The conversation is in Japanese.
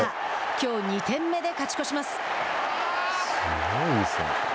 きょう２点目で勝ち越します。